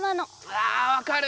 あ分かる。